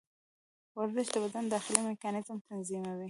ورزش د بدن داخلي میکانیزم تنظیموي.